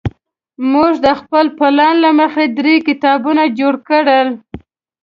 موږ د خپل پلان له مخې درې کتارونه جوړ کړل.